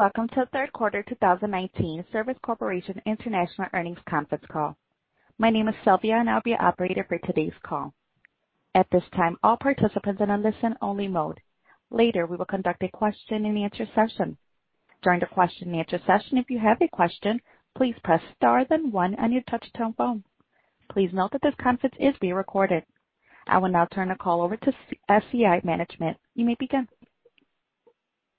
Welcome to the third quarter 2019 Service Corporation International earnings conference call. My name is Sylvia, and I'll be your operator for today's call. At this time, all participants are in listen only mode. Later, we will conduct a question and answer session. During the question and answer session, if you have a question, please press star then one on your touch-tone phone. Please note that this conference is being recorded. I will now turn the call over to SCI management. You may begin.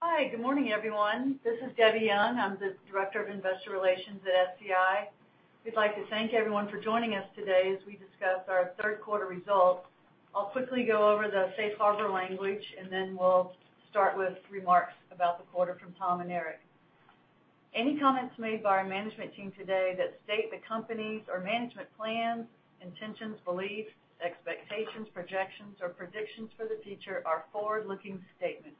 Hi. Good morning, everyone. This is Debbie Young. I'm the Director of Investor Relations at SCI. We'd like to thank everyone for joining us today as we discuss our third quarter results. I'll quickly go over the safe harbor language, and then we'll start with remarks about the quarter from Tom and Eric. Any comments made by our management team today that state the company's or management plans, intentions, beliefs, expectations, projections, or predictions for the future are forward-looking statements.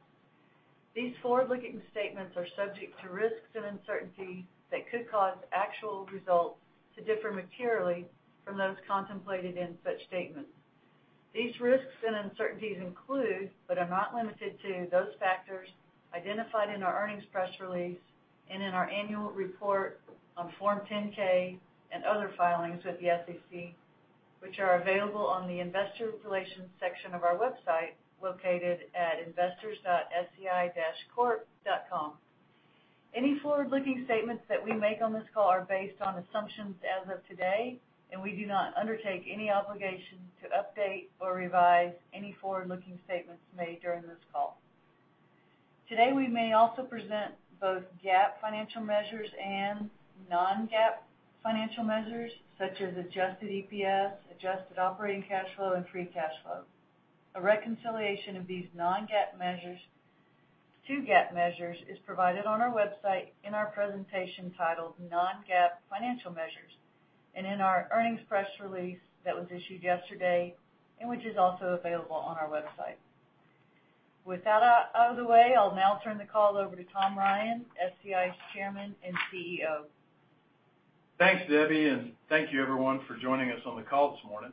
These forward-looking statements are subject to risks and uncertainties that could cause actual results to differ materially from those contemplated in such statements. These risks and uncertainties include, but are not limited to, those factors identified in our earnings press release and in our annual report on Form 10-K and other filings with the SEC, which are available on the investor relations section of our website, located at investors.sci-corp.com. Any forward-looking statements that we make on this call are based on assumptions as of today, and we do not undertake any obligation to update or revise any forward-looking statements made during this call. Today, we may also present both GAAP financial measures and non-GAAP financial measures such as adjusted EPS, adjusted operating cash flow, and free cash flow. A reconciliation of these non-GAAP measures to GAAP measures is provided on our website in our presentation titled Non-GAAP Financial Measures, and in our earnings press release that was issued yesterday and which is also available on our website. With that out of the way, I'll now turn the call over to Tom Ryan, SCI's Chairman and CEO. Thanks, Debbie, and thank you, everyone, for joining us on the call this morning.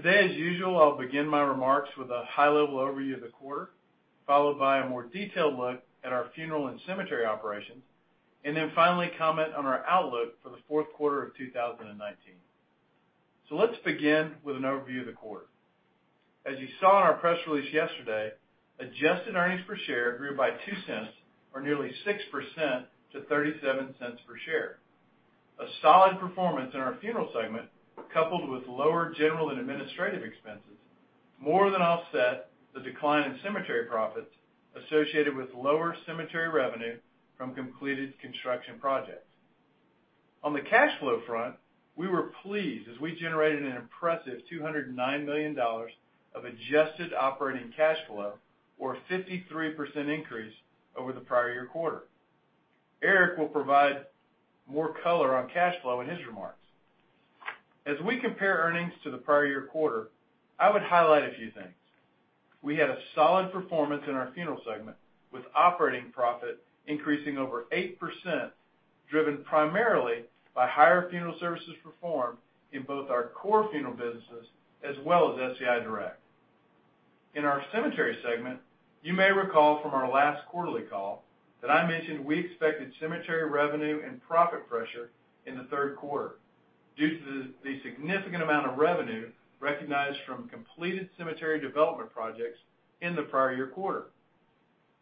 Today, as usual, I'll begin my remarks with a high-level overview of the quarter, followed by a more detailed look at our funeral and cemetery operations, and then finally comment on our outlook for the fourth quarter of 2019. Let's begin with an overview of the quarter. As you saw in our press release yesterday, adjusted earnings per share grew by $0.02 or nearly 6% to $0.37 per share. A solid performance in our funeral segment, coupled with lower general and administrative expenses, more than offset the decline in cemetery profits associated with lower cemetery revenue from completed construction projects. On the cash flow front, we were pleased as we generated an impressive $209 million of adjusted operating cash flow or a 53% increase over the prior year quarter. Eric will provide more color on cash flow in his remarks. As we compare earnings to the prior-year quarter, I would highlight a few things. We had a solid performance in our funeral segment, with operating profit increasing over 8%, driven primarily by higher funeral services performed in both our core funeral businesses as well as SCI Direct. In our cemetery segment, you may recall from our last quarterly call that I mentioned we expected cemetery revenue and profit pressure in the third quarter due to the significant amount of revenue recognized from completed cemetery development projects in the prior-year quarter.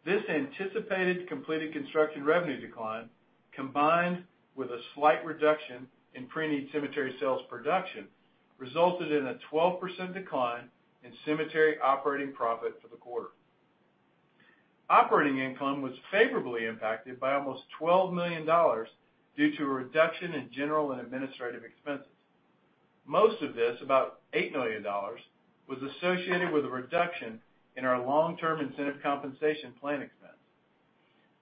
This anticipated completed construction revenue decline, combined with a slight reduction in preneed cemetery sales production, resulted in a 12% decline in cemetery operating profit for the quarter. Operating income was favorably impacted by almost $12 million due to a reduction in general and administrative expenses. Most of this, about $8 million, was associated with a reduction in our long-term incentive compensation plan expense.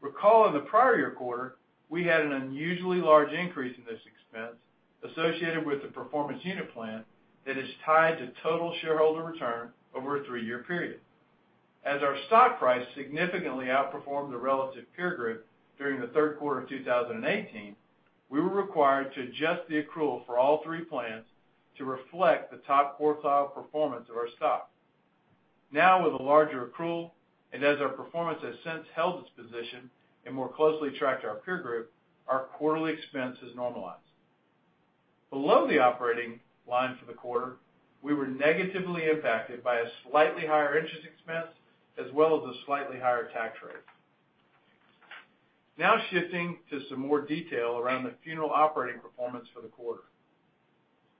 Recall in the prior year quarter, we had an unusually large increase in this expense associated with the performance unit plan that is tied to total shareholder return over a three-year period. Now with a larger accrual, and as our performance has since held its position and more closely tracked our peer group, our quarterly expense has normalized. Below the operating line for the quarter, we were negatively impacted by a slightly higher interest expense as well as a slightly higher tax rate. Now shifting to some more detail around the funeral operating performance for the quarter.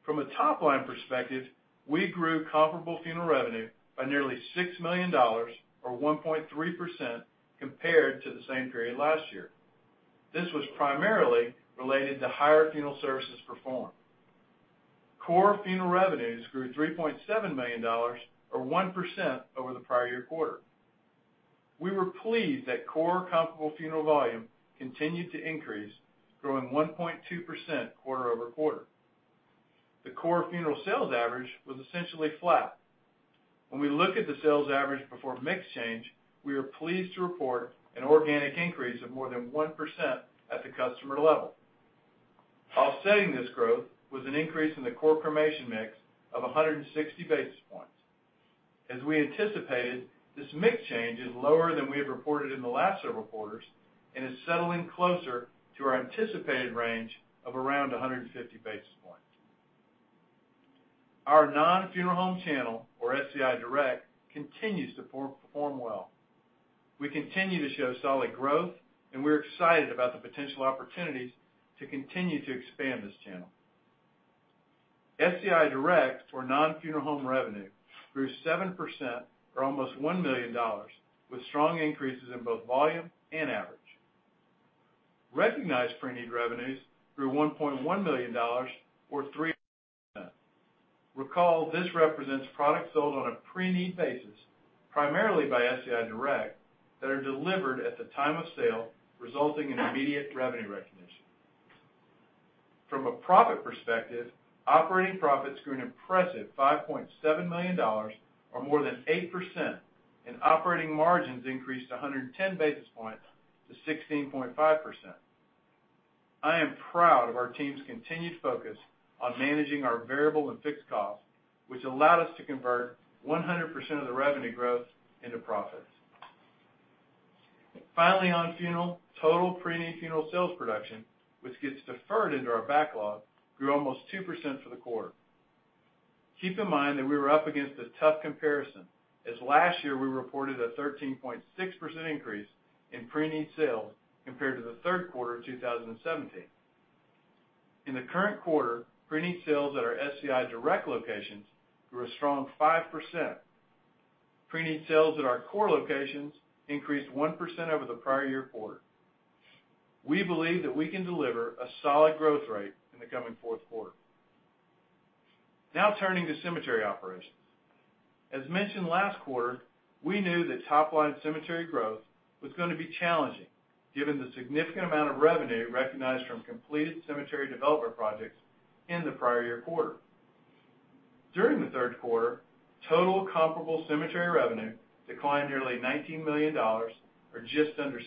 From a top-line perspective, we grew comparable funeral revenue by nearly $6 million or 1.3% compared to the same period last year. This was primarily related to higher funeral services performed. Core funeral revenues grew $3.7 million or 1% over the prior year quarter. We were pleased that core comparable funeral volume continued to increase, growing 1.2% quarter-over-quarter. The core funeral sales average was essentially flat. When we look at the sales average before mix change, we are pleased to report an organic increase of more than 1% at the customer level. Offsetting this growth was an increase in the core cremation mix of 160 basis points. As we anticipated, this mix change is lower than we have reported in the last several quarters and is settling closer to our anticipated range of around 150 basis points. Our non-funeral home channel, or SCI Direct, continues to perform well. We continue to show solid growth, and we're excited about the potential opportunities to continue to expand this channel. SCI Direct, or non-funeral home revenue, grew 7%, or almost $1 million, with strong increases in both volume and average. Recognized pre-need revenues grew $1.1 million, or 3%. Recall, this represents products sold on a pre-need basis, primarily by SCI Direct, that are delivered at the time of sale, resulting in immediate revenue recognition. From a profit perspective, operating profits grew an impressive $5.7 million, or more than 8%, and operating margins increased 110 basis points to 16.5%. I am proud of our team's continued focus on managing our variable and fixed costs, which allowed us to convert 100% of the revenue growth into profits. On funeral, total preneed funeral sales production, which gets deferred into our backlog, grew almost 2% for the quarter. Keep in mind that we were up against a tough comparison, as last year we reported a 13.6% increase in preneed sales compared to the third quarter of 2017. In the current quarter, preneed sales at our SCI Direct locations grew a strong 5%. Preneed sales at our core locations increased 1% over the prior year quarter. We believe that we can deliver a solid growth rate in the coming fourth quarter. Turning to cemetery operations. As mentioned last quarter, we knew that top-line cemetery growth was going to be challenging given the significant amount of revenue recognized from completed cemetery development projects in the prior year quarter. During the third quarter, total comparable cemetery revenue declined nearly $19 million, or just under 6%.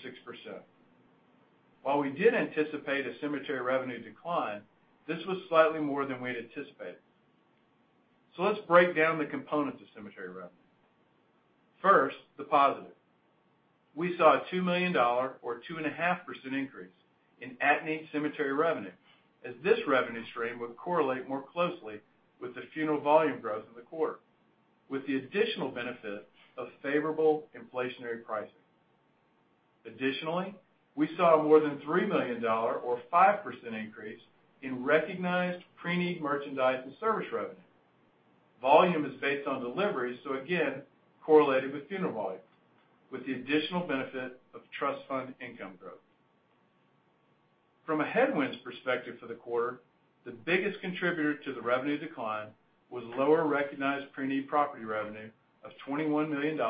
While we did anticipate a cemetery revenue decline, this was slightly more than we'd anticipated. Let's break down the components of cemetery revenue. First, the positive. We saw a $2 million, or 2.5% increase in at-need cemetery revenue, as this revenue stream would correlate more closely with the funeral volume growth in the quarter, with the additional benefit of favorable inflationary pricing. Additionally, we saw more than a $3 million, or 5% increase in recognized preneed merchandise and service revenue. Volume is based on delivery, so again, correlated with funeral volume, with the additional benefit of trust fund income growth. From a headwinds perspective for the quarter, the biggest contributor to the revenue decline was lower recognized preneed property revenue of $21 million,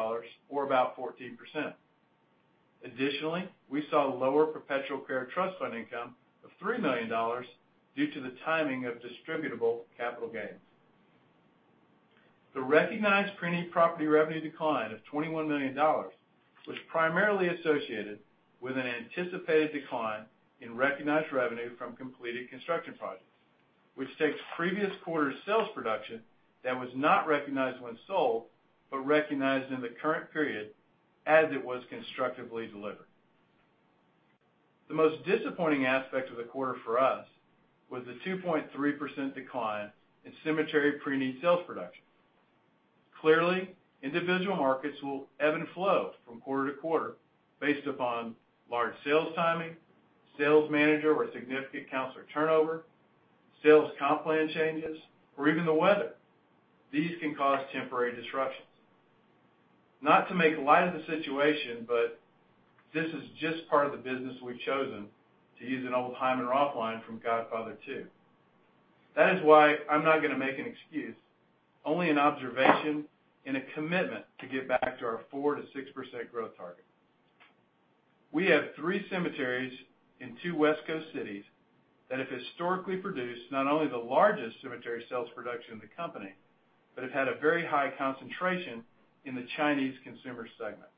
or about 14%. Additionally, we saw lower perpetual care trust fund income of $3 million due to the timing of distributable capital gains. The recognized preneed property revenue decline of $21 million was primarily associated with an anticipated decline in recognized revenue from completed construction projects, which takes previous quarter sales production that was not recognized when sold but recognized in the current period as it was constructively delivered. The most disappointing aspect of the quarter for us was the 2.3% decline in cemetery preneed sales production. Clearly, individual markets will ebb and flow from quarter to quarter based upon large sales timing, sales manager or significant counselor turnover, sales comp plan changes, or even the weather. These can cause temporary disruptions. Not to make light of the situation, but this is just part of the business we've chosen, to use an old Hyman Roth line from "Godfather II." That is why I'm not going to make an excuse, only an observation and a commitment to get back to our 4%-6% growth target. We have three cemeteries in two West Coast cities that have historically produced not only the largest cemetery sales production in the company, but have had a very high concentration in the Chinese consumer segment.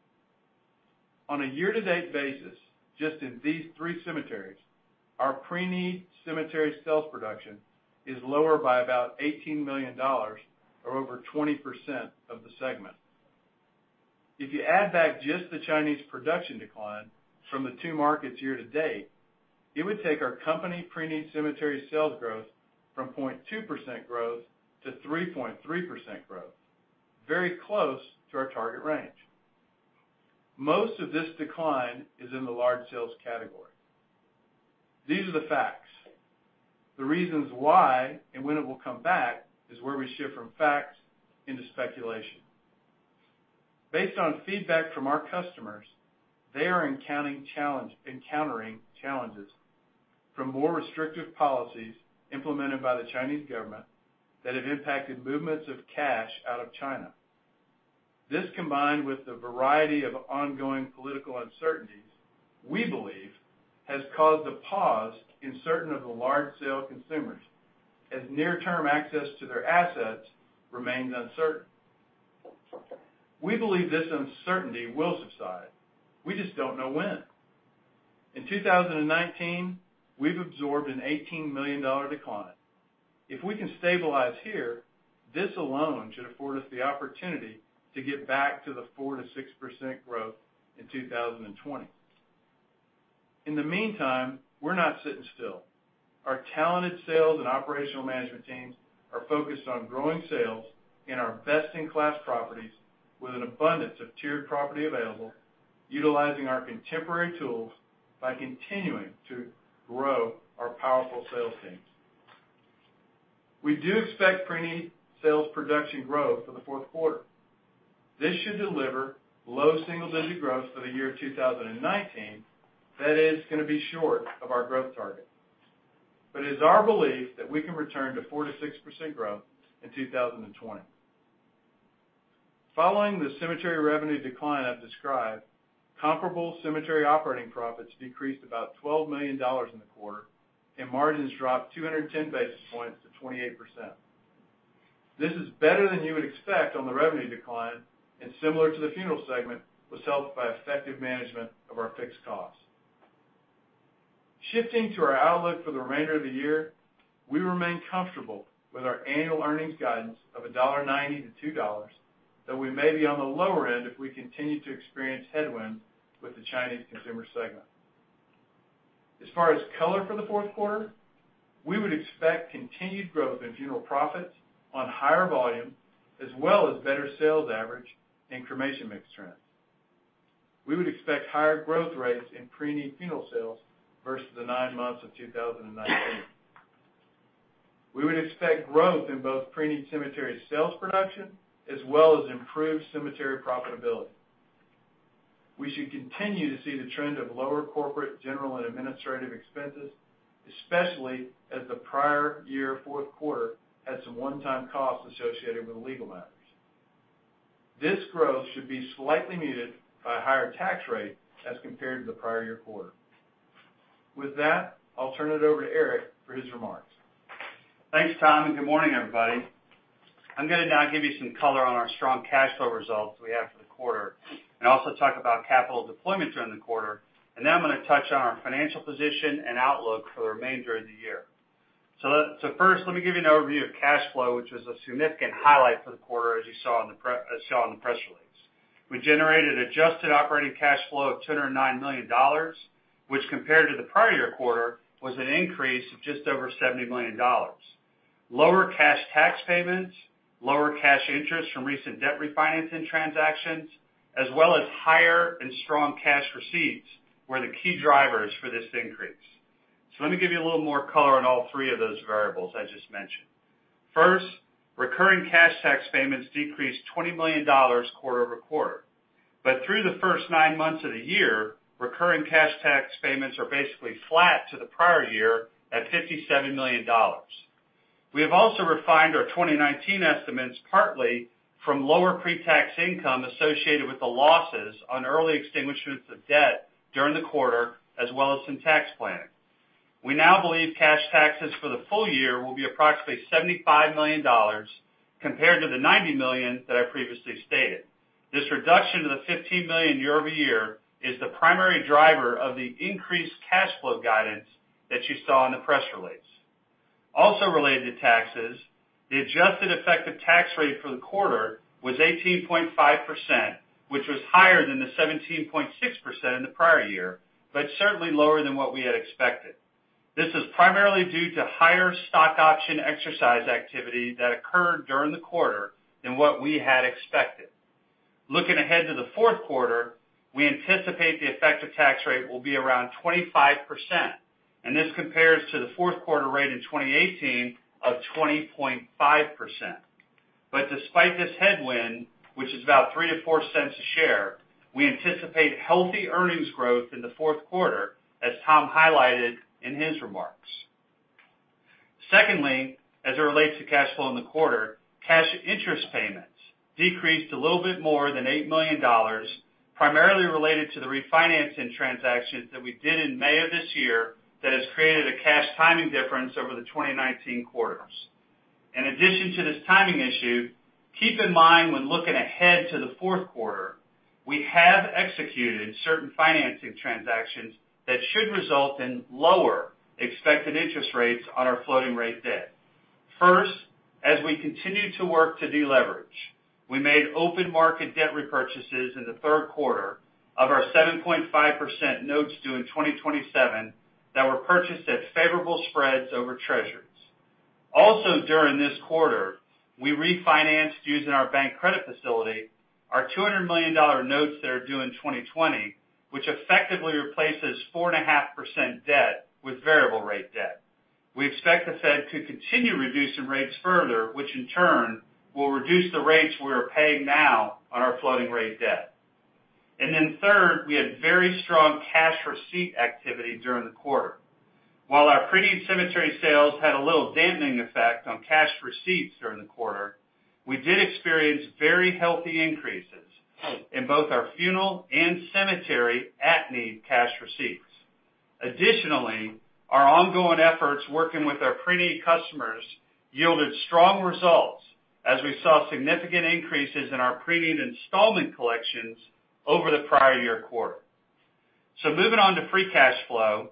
On a year-to-date basis, just in these three cemeteries, our preneed cemetery sales production is lower by about $18 million, or over 20% of the segment. If you add back just the Chinese production decline from the two markets year to date, it would take our company preneed cemetery sales growth from 0.2% growth to 3.3% growth, very close to our target range. Most of this decline is in the large sales category. These are the facts. The reasons why and when it will come back is where we shift from fact into speculation. Based on feedback from our customers, they are encountering challenges from more restrictive policies implemented by the Chinese government that have impacted movements of cash out of China. This, combined with the variety of ongoing political uncertainties, we believe, has caused a pause in certain of the large sale consumers, as near-term access to their assets remains uncertain. We believe this uncertainty will subside. We just don't know when. In 2019, we've absorbed an $18 million decline. If we can stabilize here, this alone should afford us the opportunity to get back to the 4% to 6% growth in 2020. In the meantime, we're not sitting still. Our talented sales and operational management teams are focused on growing sales in our best-in-class properties with an abundance of tiered property available, utilizing our contemporary tools by continuing to grow our powerful sales teams. We do expect preneed sales production growth for the fourth quarter. This should deliver low single-digit growth for the year 2019, that is going to be short of our growth target. It is our belief that we can return to 4% to 6% growth in 2020. Following the cemetery revenue decline I've described, comparable cemetery operating profits decreased about $12 million in the quarter, and margins dropped 210 basis points to 28%. This is better than you would expect on the revenue decline, and similar to the funeral segment, was helped by effective management of our fixed costs. Shifting to our outlook for the remainder of the year, we remain comfortable with our annual earnings guidance of $1.90 to $2, though we may be on the lower end if we continue to experience headwinds with the Chinese consumer segment. As far as color for the fourth quarter, we would expect continued growth in funeral profits on higher volume as well as better sales average and cremation mix trends. We would expect higher growth rates in preneed funeral sales versus the nine months of 2019. We would expect growth in both preneed cemetery sales production as well as improved cemetery profitability. We should continue to see the trend of lower corporate general and administrative expenses, especially as the prior year fourth quarter had some one-time costs associated with legal matters. This growth should be slightly muted by a higher tax rate as compared to the prior year quarter. With that, I'll turn it over to Eric for his remarks. Thanks, Tom. Good morning, everybody. I'm going to now give you some color on our strong cash flow results we had for the quarter and also talk about capital deployment during the quarter, and then I'm going to touch on our financial position and outlook for the remainder of the year. First, let me give you an overview of cash flow, which was a significant highlight for the quarter, as you saw in the press release. We generated adjusted operating cash flow of $209 million, which compared to the prior year quarter, was an increase of just over $70 million. Lower cash tax payments, lower cash interest from recent debt refinancing transactions, as well as higher and strong cash receipts were the key drivers for this increase. Let me give you a little more color on all three of those variables I just mentioned. First, recurring cash tax payments decreased $20 million quarter-over-quarter. Through the first nine months of the year, recurring cash tax payments are basically flat to the prior year at $57 million. We have also refined our 2019 estimates, partly from lower pre-tax income associated with the losses on early extinguishments of debt during the quarter, as well as some tax planning. We now believe cash taxes for the full year will be approximately $75 million compared to the $90 million that I previously stated. This reduction of the $15 million year-over-year is the primary driver of the increased cash flow guidance that you saw in the press release. Related to taxes, the adjusted effective tax rate for the quarter was 18.5%, which was higher than the 17.6% in the prior year, but certainly lower than what we had expected. This is primarily due to higher stock option exercise activity that occurred during the quarter than what we had expected. Looking ahead to the fourth quarter, we anticipate the effective tax rate will be around 25%, and this compares to the fourth quarter rate in 2018 of 20.5%. Despite this headwind, which is about $0.03-$0.04 a share, we anticipate healthy earnings growth in the fourth quarter, as Tom highlighted in his remarks. Secondly, as it relates to cash flow in the quarter, cash interest payments decreased a little bit more than $8 million, primarily related to the refinancing transactions that we did in May of this year that has created a cash timing difference over the 2019 quarters. In addition to this timing issue, keep in mind when looking ahead to the fourth quarter, we have executed certain financing transactions that should result in lower expected interest rates on our floating rate debt. As we continue to work to deleverage, we made open market debt repurchases in the third quarter of our 7.5% notes due in 2027 that were purchased at favorable spreads over treasuries. During this quarter, we refinanced using our bank credit facility our $200 million notes that are due in 2020, which effectively replaces 4.5% debt with variable rate debt. We expect the Fed to continue reducing rates further, which in turn will reduce the rates we are paying now on our floating rate debt. Third, we had very strong cash receipt activity during the quarter. While our preneed cemetery sales had a little dampening effect on cash receipts during the quarter, we did experience very healthy increases in both our funeral and cemetery at-need cash receipts. Additionally, our ongoing efforts working with our pre-need customers yielded strong results as we saw significant increases in our pre-need installment collections over the prior year quarter. Moving on to free cash flow,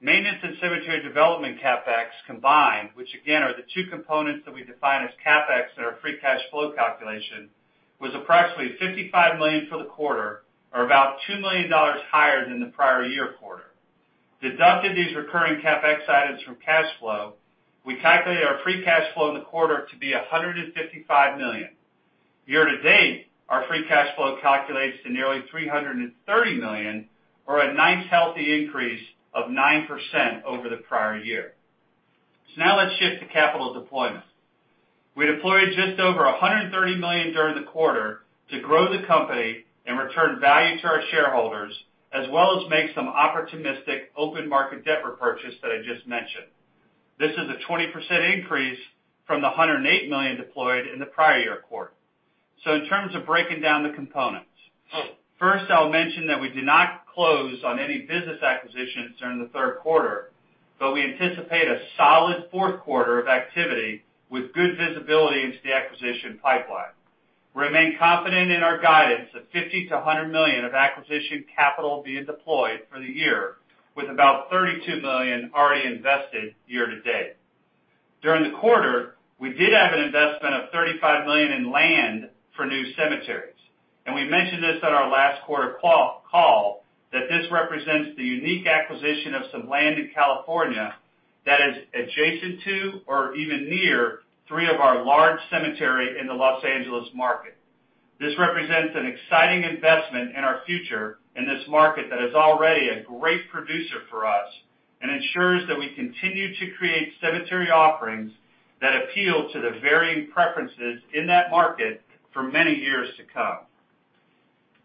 maintenance and cemetery development CapEx combined, which again, are the two components that we define as CapEx in our free cash flow calculation, was approximately $55 million for the quarter, or about $2 million higher than the prior year quarter. Deducting these recurring CapEx items from cash flow, we calculated our free cash flow in the quarter to be $155 million. Year to date, our free cash flow calculates to nearly $330 million, or a nice healthy increase of 9% over the prior year. Now let's shift to capital deployment. We deployed just over $130 million during the quarter to grow the company and return value to our shareholders, as well as make some opportunistic open market debt repurchase that I just mentioned. This is a 20% increase from the $108 million deployed in the prior year quarter. In terms of breaking down the components, first, I'll mention that we did not close on any business acquisitions during the third quarter, but we anticipate a solid fourth quarter of activity with good visibility into the acquisition pipeline. We remain confident in our guidance of $50 million-$100 million of acquisition capital being deployed for the year, with about $32 million already invested year to date. During the quarter, we did have an investment of $35 million in land for new cemeteries. We mentioned this on our last quarter call, that this represents the unique acquisition of some land in California that is adjacent to, or even near, three of our large cemeteries in the Los Angeles market. This represents an exciting investment in our future in this market that is already a great producer for us and ensures that we continue to create cemetery offerings that appeal to the varying preferences in that market for many years to come.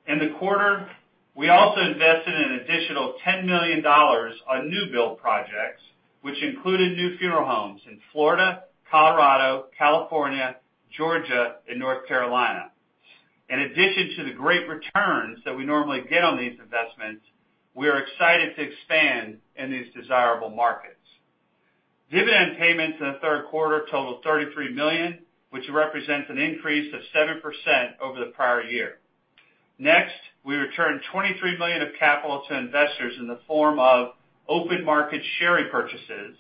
In the quarter, we also invested an additional $10 million on new build projects, which included new funeral homes in Florida, Colorado, California, Georgia, and North Carolina. In addition to the great returns that we normally get on these investments, we are excited to expand in these desirable markets. Dividend payments in the third quarter totaled $33 million, which represents an increase of 7% over the prior year. Next, we returned $23 million of capital to investors in the form of open market share repurchases,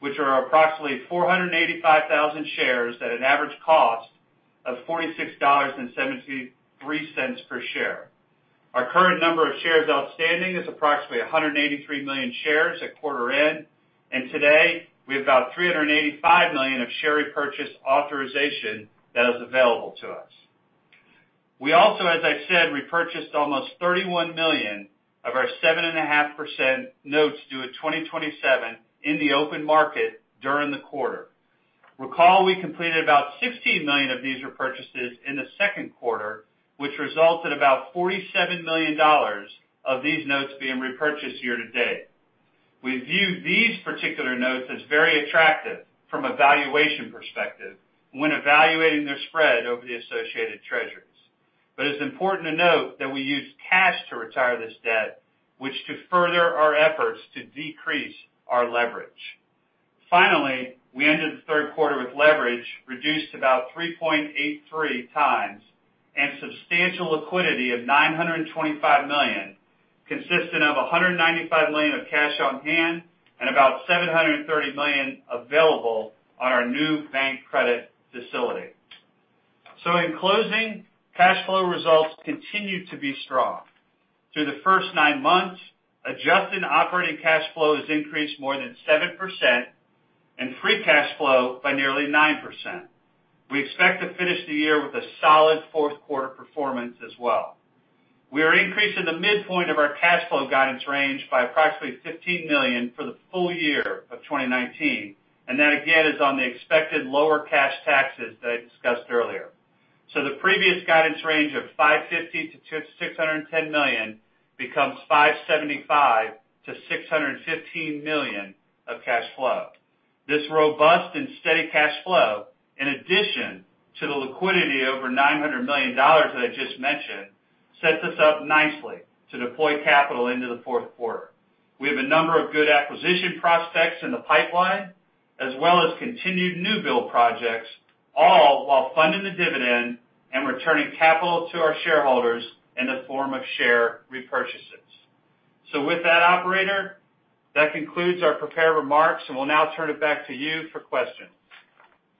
which are approximately 485,000 shares at an average cost of $46.73 per share. Our current number of shares outstanding is approximately 183 million shares at quarter end, and today we have about 385 million of share repurchase authorization that is available to us. We also, as I said, repurchased almost $31 million of our 7.5% notes due in 2027 in the open market during the quarter. Recall, we completed about $16 million of these repurchases in the second quarter, which resulted about $47 million of these notes being repurchased year to date. We view these particular notes as very attractive from a valuation perspective when evaluating their spread over the associated treasuries. It's important to note that we used cash to retire this debt, which to further our efforts to decrease our leverage. We ended the third quarter with leverage reduced about 3.83 times and substantial liquidity of $925 million, consisting of $195 million of cash on hand and about $730 million available on our new bank credit facility. In closing, cash flow results continue to be strong. Through the first nine months, adjusted operating cash flow has increased more than 7% and free cash flow by nearly 9%. We expect to finish the year with a solid fourth quarter performance as well. We are increasing the midpoint of our cash flow guidance range by approximately $15 million for the full year of 2019, and that again, is on the expected lower cash taxes that I discussed earlier. The previous guidance range of $550 million-$610 million becomes $575 million-$615 million of cash flow. This robust and steady cash flow, in addition to the liquidity over $900 million that I just mentioned, sets us up nicely to deploy capital into the fourth quarter. We have a number of good acquisition prospects in the pipeline, as well as continued new build projects, all while funding the dividend and returning capital to our shareholders in the form of share repurchases. With that, operator, that concludes our prepared remarks, and we'll now turn it back to you for questions.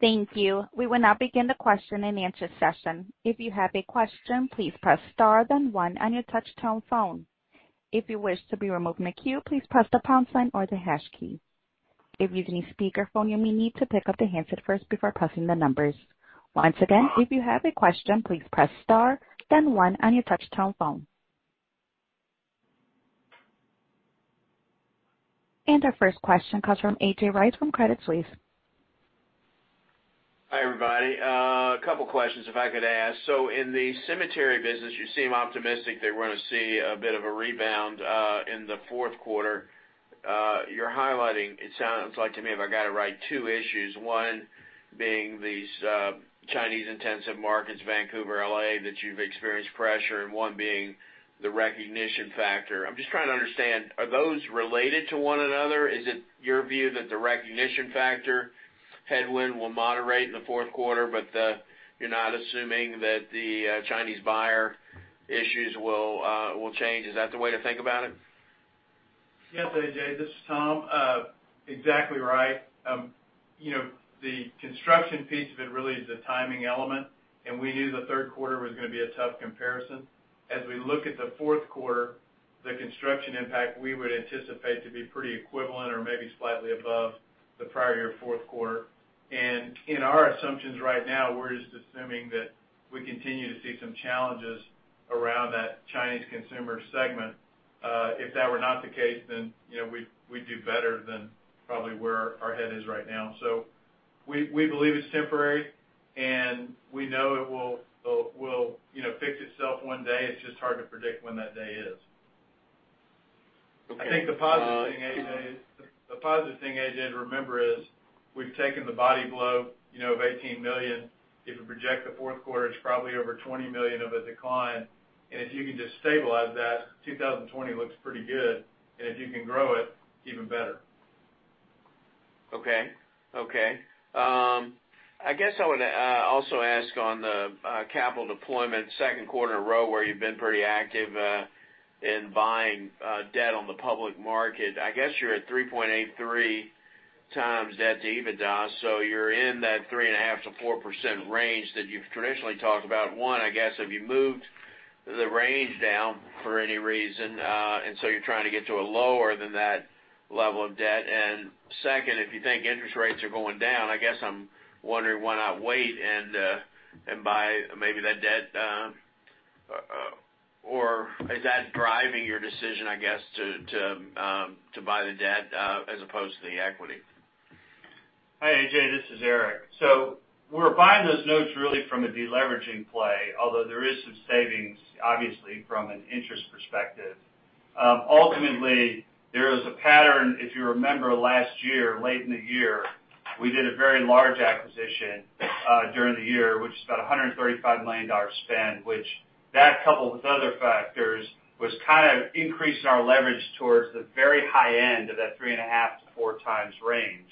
Thank you. We will now begin the question-and-answer session. If you have a question, please press star, then 1 on your touch-tone phone. If you wish to be removed from the queue, please press the pound sign or the hash key. If using a speakerphone, you may need to pick up the handset first before pressing the numbers. Once again, if you have a question, please press star, then 1 on your touch-tone phone. Our first question comes from A.J. Rice from Credit Suisse. Hi, everybody. A couple questions if I could ask. In the cemetery business, you seem optimistic that we're going to see a bit of a rebound in the fourth quarter. You're highlighting, it sounds like to me, if I got it right, two issues. One being these Chinese-intensive markets, Vancouver, L.A., that you've experienced pressure, and one being the recognition factor. I'm just trying to understand, are those related to one another? Is it your view that the recognition factor? headwind will moderate in the fourth quarter, but you're not assuming that the Chinese buyer issues will change. Is that the way to think about it? Yes, A.J. This is Tom. Exactly right. The construction piece of it really is a timing element, and we knew the third quarter was going to be a tough comparison. As we look at the fourth quarter, the construction impact we would anticipate to be pretty equivalent or maybe slightly above the prior year fourth quarter. In our assumptions right now, we're just assuming that we continue to see some challenges around that Chinese consumer segment. If that were not the case, then we'd do better than probably where our head is right now. We believe it's temporary, and we know it will fix itself one day. It's just hard to predict when that day is. Okay. I think the positive thing, A.J., to remember is we've taken the body blow of $18 million. If you project the fourth quarter, it's probably over $20 million of a decline. If you can just stabilize that, 2020 looks pretty good. If you can grow it, even better. Okay. I guess I want to also ask on the capital deployment, second quarter in a row where you've been pretty active in buying debt on the public market. I guess you're at 3.83 times debt to EBITDA, so you're in that 3.5%-4% range that you've traditionally talked about. One, I guess, have you moved the range down for any reason, and so you're trying to get to a lower than that level of debt? Second, if you think interest rates are going down, I guess I'm wondering why not wait and buy maybe that debt. Is that driving your decision, I guess, to buy the debt, as opposed to the equity? Hi, A.J. This is Eric. We're buying those notes really from a deleveraging play, although there is some savings, obviously, from an interest perspective. Ultimately, there is a pattern, if you remember last year, late in the year, we did a very large acquisition during the year, which was about $135 million spend, which that, coupled with other factors, was kind of increasing our leverage towards the very high end of that 3.5 to 4 times range.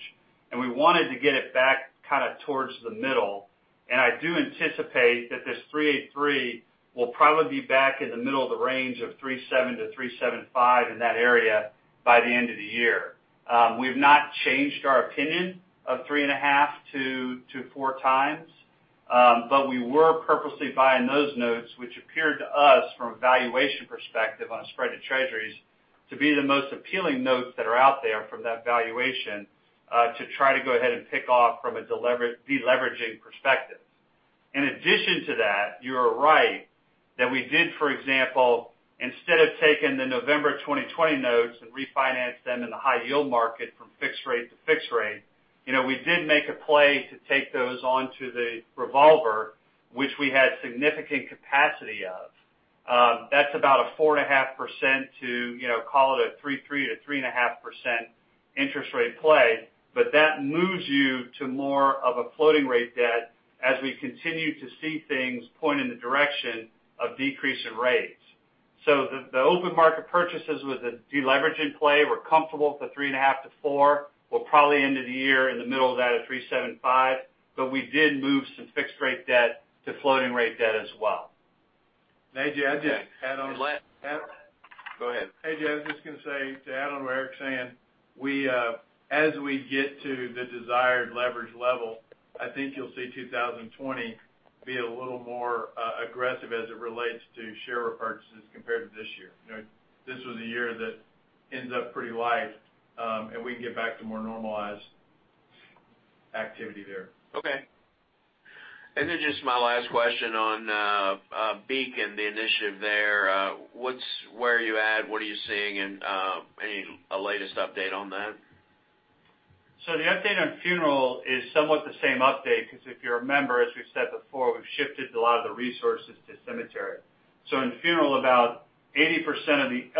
We wanted to get it back kind of towards the middle. I do anticipate that this 3.83 will probably be back in the middle of the range of 3.7 to 3.75, in that area, by the end of the year. We've not changed our opinion of 3.5 to 4 times. We were purposely buying those notes, which appeared to us from a valuation perspective on a spread of Treasuries to be the most appealing notes that are out there from that valuation, to try to go ahead and pick off from a deleveraging perspective. In addition to that, you are right that we did, for example, instead of taking the November 2020 notes and refinance them in the high yield market from fixed rate to fixed rate, we did make a play to take those onto the revolver, which we had significant capacity of. That's about a 4.5% to call it a 3.3%-3.5% interest rate play. That moves you to more of a floating rate debt as we continue to see things point in the direction of decrease in rates. The open market purchases was a deleveraging play. We're comfortable with the 3.5-4. We'll probably end of the year in the middle of that at 3.75. We did move some fixed rate debt to floating rate debt as well. A.J., I just add. Go ahead. A.J., I was just going to say to add on what Eric's saying, as we get to the desired leverage level, I think you'll see 2020 be a little more aggressive as it relates to share repurchases compared to this year. This was a year that ends up pretty light, and we can get back to more normalized activity there. Okay. Just my last question on Beacon, the initiative there. Where are you at, what are you seeing, and any latest update on that? The update on funeral is somewhat the same update, because if you remember, as we've said before, we've shifted a lot of the resources to cemetery. In funeral, about 80%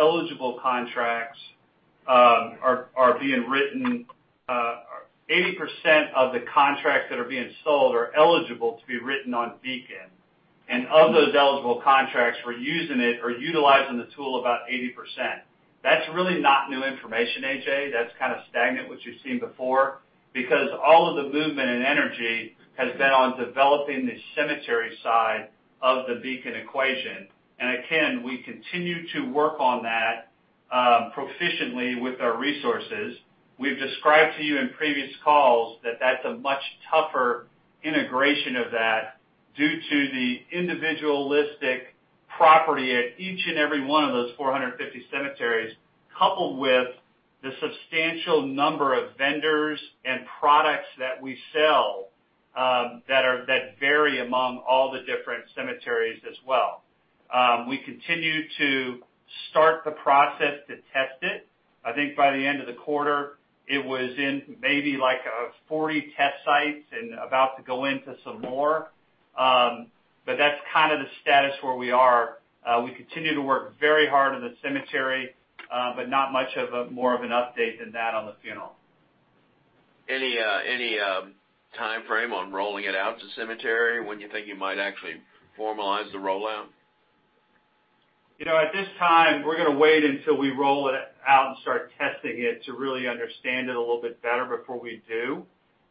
of the contracts that are being sold are eligible to be written on Beacon. Of those eligible contracts, we're utilizing the tool about 80%. That's really not new information, A.J. That's kind of stagnant, which you've seen before. Because all of the movement and energy has been on developing the cemetery side of the Beacon equation. Again, we continue to work on that proficiently with our resources. We've described to you in previous calls that that's a much tougher integration of that due to the individualistic property at each and every one of those 450 cemeteries, coupled with the substantial number of vendors and products that we sell that vary among all the different cemeteries as well. We continue to start the process to test it. I think by the end of the quarter, it was in maybe like 40 test sites and about to go into some more. That's kind of the status where we are. We continue to work very hard on the cemetery, but not much of a more of an update than that on the funeral. Any timeframe on rolling it out to cemetery? When do you think you might actually formalize the rollout? At this time, we're going to wait until we roll it out and start testing it to really understand it a little bit better before we do.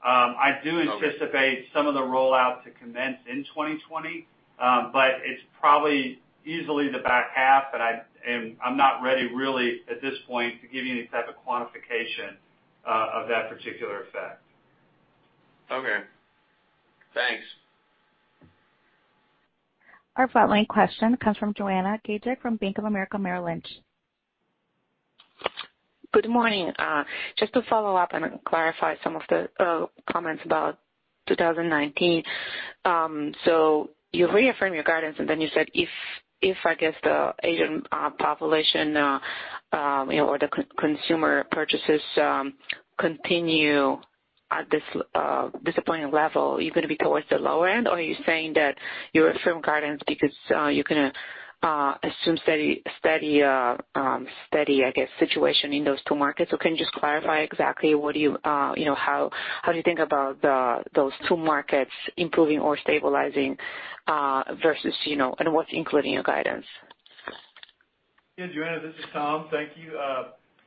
I do anticipate some of the rollout to commence in 2020, but it's probably easily the back half, and I'm not ready really at this point to give you any type of quantification of that particular effect. Okay. Thanks. Our following question comes from Joanna Gajuk from Bank of America Merrill Lynch. Good morning. Just to follow up and clarify some of the comments about 2019. You reaffirmed your guidance, and then you said if, I guess, the Asian population or the consumer purchases continue at this disappointing level, are you going to be towards the lower end, or are you saying that you affirm guidance because you can assume steady situation in those two markets? Can you just clarify exactly how you think about those two markets improving or stabilizing versus and what's included in your guidance? Yeah, Joanna, this is Tom. Thank you.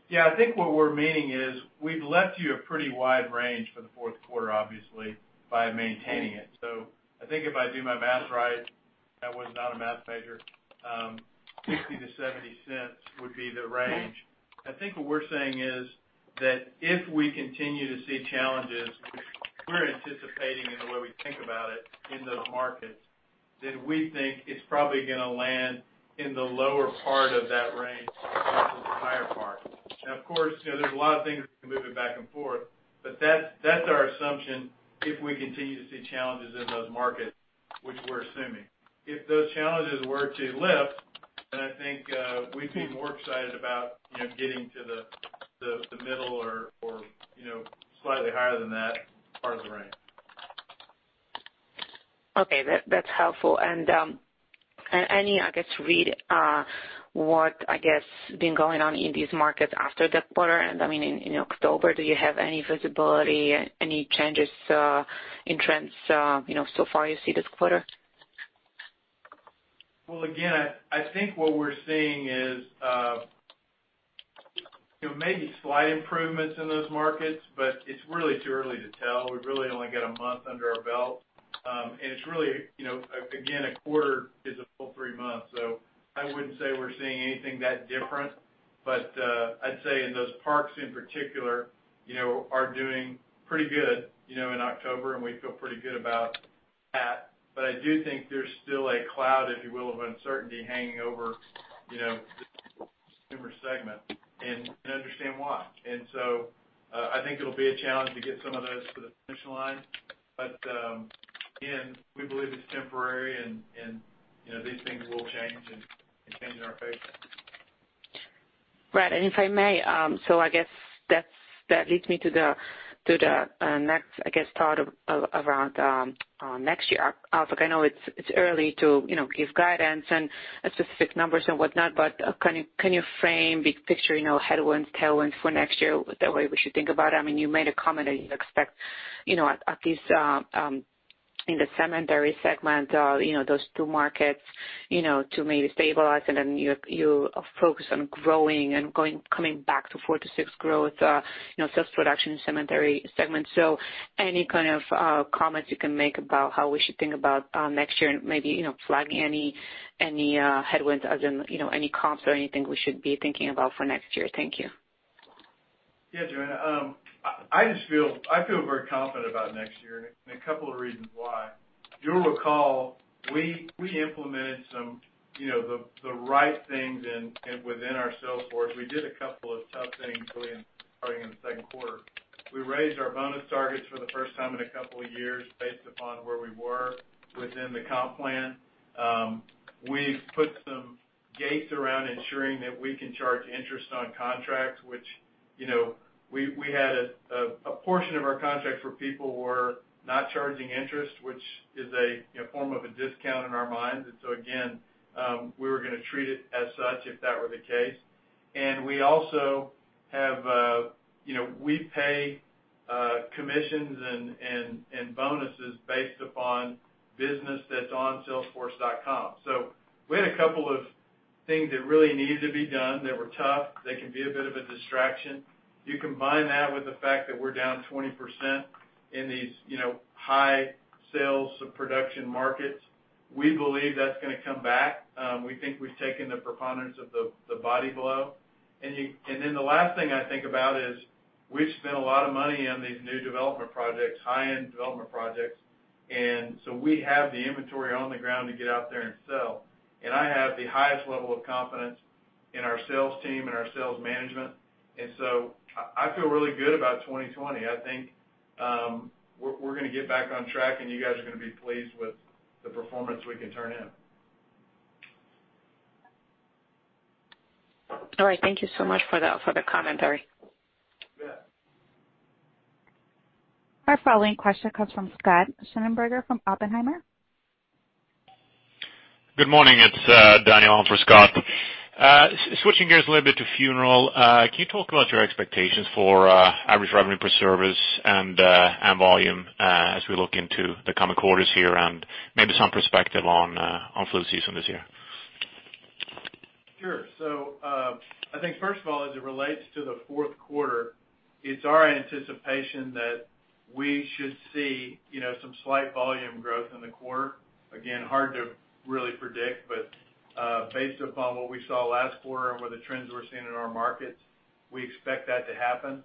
Yeah, I think what we're meaning is we've left you a pretty wide range for the fourth quarter, obviously, by maintaining it. I think if I do my math right, I was not a math major, $0.60-$0.70 would be the range. I think what we're saying is that if we continue to see challenges, which we're anticipating in the way we think about it in those markets, then we think it's probably going to land in the lower part of that range versus the higher part. Of course, there's a lot of things that can move it back and forth, but that's our assumption if we continue to see challenges in those markets, which we're assuming. If those challenges were to lift, then I think we'd be more excited about getting to the middle or slightly higher than that part of the range. Okay. That's helpful. Any, I guess, read what, I guess, been going on in these markets after that quarter, and I mean, in October, do you have any visibility, any changes in trends so far you see this quarter? Well, again, I think what we're seeing is maybe slight improvements in those markets, but it's really too early to tell. We've really only got a month under our belt. It's really, again, a quarter is a full three months. I wouldn't say we're seeing anything that different. I'd say in those parks in particular are doing pretty good in October, and we feel pretty good about that. I do think there's still a cloud, if you will, of uncertainty hanging over this consumer segment, and I understand why. I think it'll be a challenge to get some of those to the finish line. Again, we believe it's temporary, and these things will change and change in our favor. Right. If I may, I guess that leads me to the next, I guess, thought of around next year outlook. I know it's early to give guidance and specific numbers and whatnot, but can you frame big picture headwinds, tailwinds for next year? What's the way we should think about it? You made a comment that you expect at least in the cemetery segment, those two markets to maybe stabilize, and then you focus on growing and coming back to 4% to 6% growth, sales production in cemetery segment. Any kind of comments you can make about how we should think about next year and maybe flagging any headwinds as in any comps or anything we should be thinking about for next year? Thank you. Yeah, Joanna. I feel very confident about next year, and a couple of reasons why. You'll recall we implemented the right things within our sales force. We did a couple of tough things really starting in the second quarter. We raised our bonus targets for the first time in a couple of years based upon where we were within the comp plan. We've put some gates around ensuring that we can charge interest on contracts, which we had a portion of our contracts where people were not charging interest, which is a form of a discount in our minds. Again, we were going to treat it as such if that were the case. We pay commissions and bonuses based upon business that's on Salesforce.com. We had a couple of things that really needed to be done that were tough, that can be a bit of a distraction. You combine that with the fact that we're down 20% in these high sales production markets. We believe that's going to come back. We think we've taken the preponderance of the body blow. The last thing I think about is we've spent a lot of money on these new development projects, high-end development projects. We have the inventory on the ground to get out there and sell. I have the highest level of confidence in our sales team and our sales management. I feel really good about 2020. I think we're going to get back on track, and you guys are going to be pleased with the performance we can turn in. All right. Thank you so much for the commentary. Yeah. Our following question comes from Scott Schneeberger from Oppenheimer. Good morning. It's Daniel in for Scott. Switching gears a little bit to funeral. Can you talk about your expectations for average revenue per service and volume as we look into the coming quarters here and maybe some perspective on flu season this year? Sure. I think first of all, as it relates to the fourth quarter, it's our anticipation that we should see some slight volume growth in the quarter. Again, hard to really predict, but based upon what we saw last quarter and where the trends we're seeing in our markets, we expect that to happen.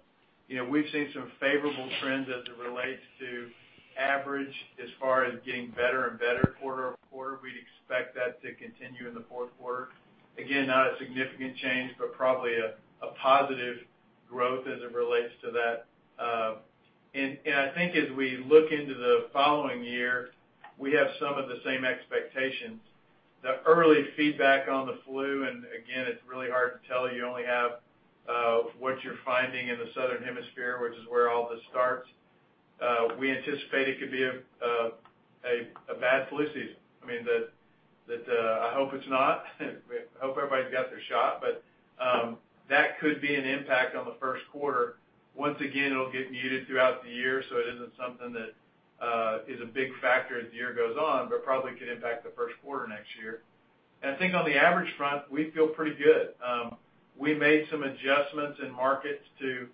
We've seen some favorable trends as it relates to average as far as getting better and better quarter-over-quarter. We'd expect that to continue in the fourth quarter. Again, not a significant change, but probably a positive growth as it relates to that. I think as we look into the following year, we have some of the same expectations. The early feedback on the flu, and again, it's really hard to tell. You only have what you're finding in the southern hemisphere, which is where all this starts. We anticipate it could be a bad flu season. I hope it's not. I hope everybody's got their shot, but that could be an impact on the first quarter. Once again, it'll get muted throughout the year, so it isn't something that is a big factor as the year goes on, but probably could impact the first quarter next year. I think on the average front, we feel pretty good. We made some adjustments in markets to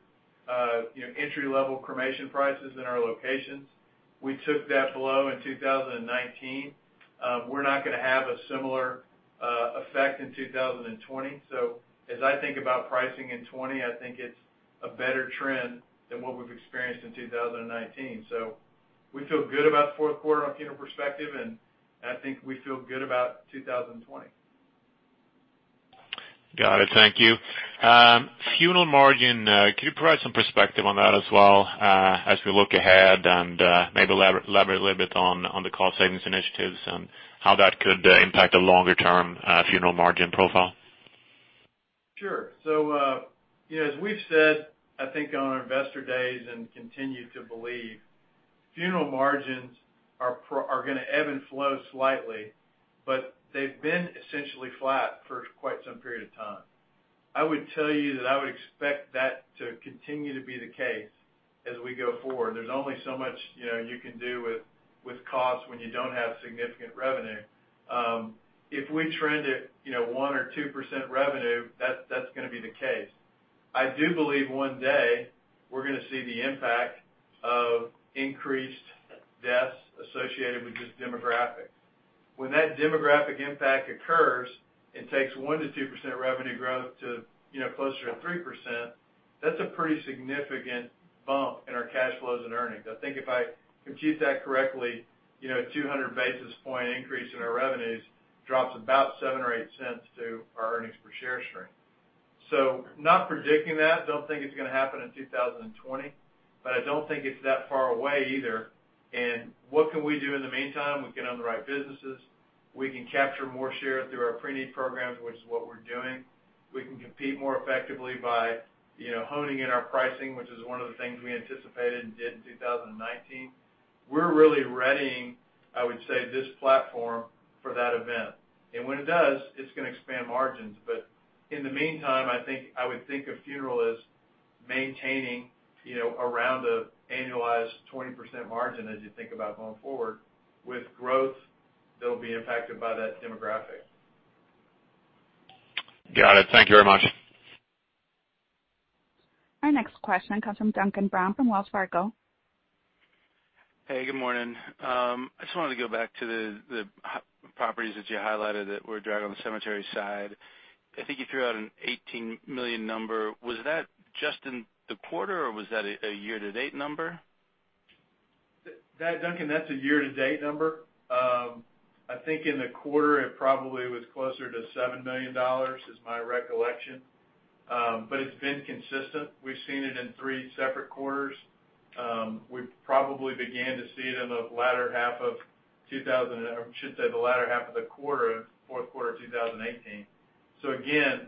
entry level cremation prices in our locations. We took that below in 2019. We're not going to have a similar effect in 2020. As I think about pricing in '20, I think it's a better trend than what we've experienced in 2019. We feel good about the fourth quarter on a funeral perspective, and I think we feel good about 2020. Got it. Thank you. Funeral margin, could you provide some perspective on that as well, as we look ahead and maybe elaborate a little bit on the cost savings initiatives and how that could impact a longer-term funeral margin profile? Sure. As we've said, I think on our investor days, and continue to believe, funeral margins are going to ebb and flow slightly, but they've been essentially flat for quite some period of time. I would tell you that I would expect that to continue to be the case as we go forward. There's only so much you can do with costs when you don't have significant revenue. If we trend at 1% or 2% revenue, that's going to be the case. I do believe one day we're going to see the impact of increased deaths associated with just demographics. When that demographic impact occurs and takes 1%-2% revenue growth to closer to 3%, that's a pretty significant bump in our cash flows and earnings. I think if I compute that correctly, a 200 basis point increase in our revenues drops about $0.07 or $0.08 to our earnings per share stream. Not predicting that, don't think it's going to happen in 2020, I don't think it's that far away either. What can we do in the meantime? We can own the right businesses. We can capture more share through our preneed programs, which is what we're doing. We can compete more effectively by honing in our pricing, which is one of the things we anticipated and did in 2019. We're really readying, I would say, this platform for that event. When it does, it's going to expand margins. In the meantime, I would think of funeral as maintaining around an annualized 20% margin as you think about going forward with growth that'll be impacted by that demographic. Got it. Thank you very much. Our next question comes from Duncan Brown from Wells Fargo. Hey, good morning. I just wanted to go back to the properties that you highlighted that were driving on the cemetery side. I think you threw out an $18 million number. Was that just in the quarter or was that a year-to-date number? Duncan, that's a year-to-date number. I think in the quarter it probably was closer to $7 million is my recollection. It's been consistent. We've seen it in three separate quarters. We probably began to see it in the latter half of the quarter, fourth quarter of 2018. Again,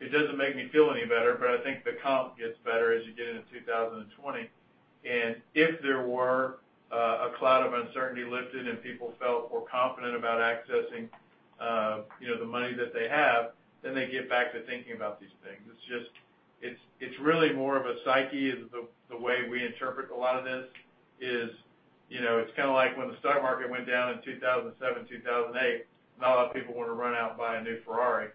it doesn't make me feel any better, but I think the comp gets better as you get into 2020. If there were a cloud of uncertainty lifted and people felt more confident about accessing the money that they have, then they get back to thinking about these things. It's really more of a psyche is the way we interpret a lot of this is, it's kind of like when the stock market went down in 2007, 2008. Not a lot of people want to run out and buy a new Ferrari.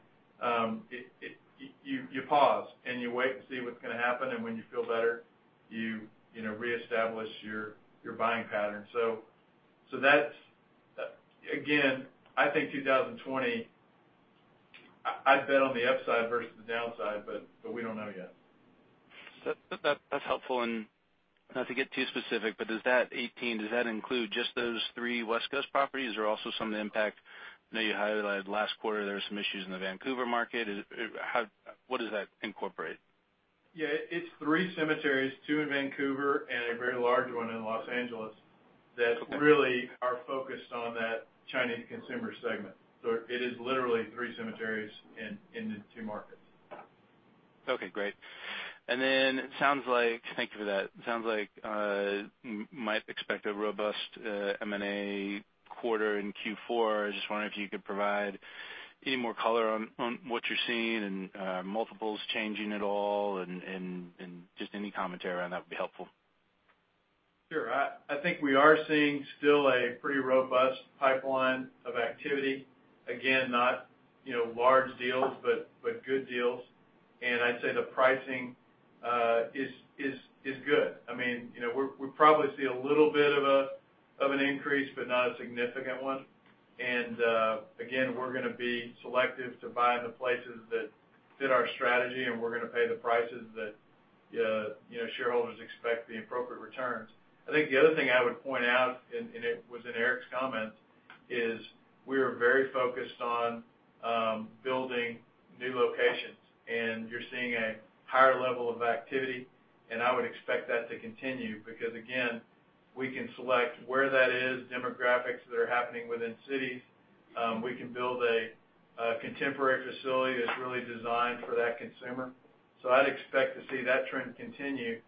You pause and you wait to see what's going to happen, and when you feel better, you reestablish your buying pattern. That's, again, I think 2020, I'd bet on the upside versus the downside, but we don't know yet. That's helpful. Not to get too specific, does that 18, does that include just those three West Coast properties or also some of the impact, I know you highlighted last quarter there were some issues in the Vancouver market? What does that incorporate? Yeah, it's three cemeteries, two in Vancouver and a very large one in Los Angeles that really are focused on that Chinese consumer segment. It is literally three cemeteries in the two markets. Okay, great. Thank you for that. It sounds like we might expect a robust M&A quarter in Q4. I just wonder if you could provide any more color on what you're seeing and multiples changing at all, and just any commentary around that would be helpful. Sure. I think we are seeing still a pretty robust pipeline of activity. Not large deals, but good deals. I'd say the pricing is good. We probably see a little bit of an increase, but not a significant one. We're going to be selective to buying the places that fit our strategy, and we're going to pay the prices that shareholders expect the appropriate returns. I think the other thing I would point out, it was in Eric's comments, is we are very focused on building new locations. You're seeing a higher level of activity, and I would expect that to continue because, again, we can select where that is, demographics that are happening within cities. We can build a contemporary facility that's really designed for that consumer. I'd expect to see that trend continue.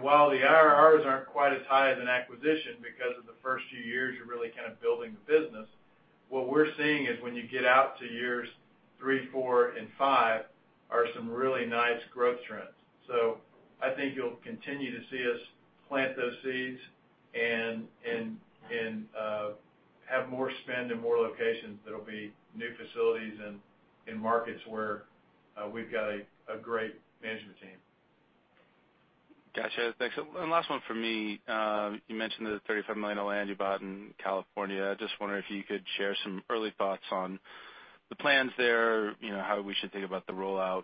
While the IRRs aren't quite as high as an acquisition because of the first few years, you're really kind of building the business, what we're seeing is when you get out to years three, four, and five are some really nice growth trends. I think you'll continue to see us plant those seeds and have more spend in more locations that'll be new facilities in markets where we've got a great management team. Got you. Thanks. Last one from me. You mentioned the $35 million of land you bought in California. I just wonder if you could share some early thoughts on the plans there, how we should think about the rollout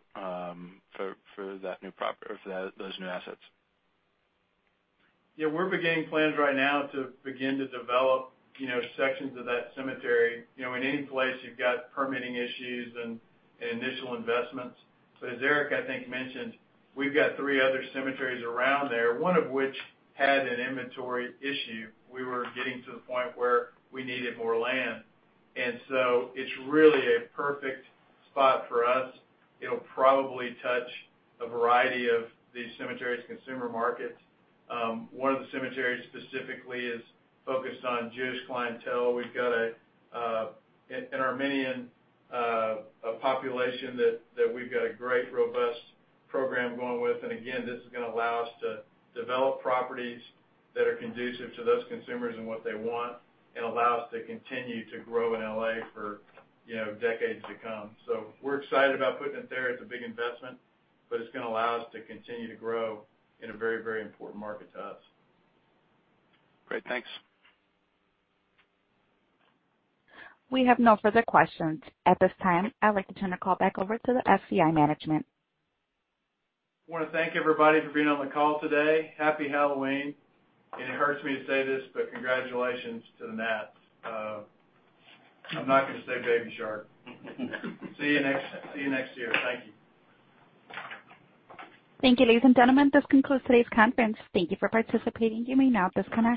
for those new assets. Yeah. We're beginning plans right now to begin to develop sections of that cemetery. In any place, you've got permitting issues and initial investments. As Eric, I think, mentioned, we've got three other cemeteries around there, one of which had an inventory issue. We were getting to the point where we needed more land. It's really a perfect spot for us. It'll probably touch a variety of the cemetery's consumer markets. One of the cemeteries specifically is focused on Jewish clientele. We've got an Armenian population that we've got a great, robust program going with. Again, this is going to allow us to develop properties that are conducive to those consumers and what they want and allow us to continue to grow in L.A. for decades to come. We're excited about putting it there. It's a big investment, but it's going to allow us to continue to grow in a very important market to us. Great. Thanks. We have no further questions. At this time, I'd like to turn the call back over to the SCI management. I want to thank everybody for being on the call today. Happy Halloween, and it hurts me to say this, but congratulations to the Nationals. I'm not going to say Baby Shark. See you next year. Thank you. Thank you, ladies and gentlemen. This concludes today's conference. Thank you for participating. You may now disconnect.